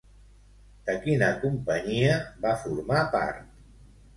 De quina companyia va formar part?